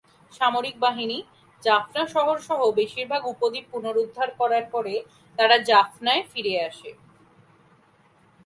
সামরিক বাহিনী জাফনা শহর সহ বেশিরভাগ উপদ্বীপ পুনরুদ্ধার করার পরে তারা জাফনায় ফিরে আসে।